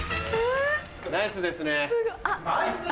ナイスですね。